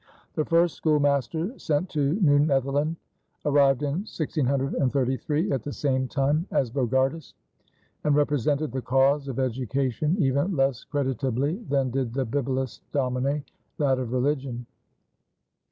The first schoolmaster sent to New Netherland arrived in 1633 at the same time as Bogardus, and represented the cause of education even less creditably than did the bibulous domine that of religion.